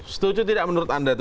setuju tidak menurut anda itu